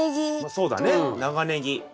そうだね長ネギ。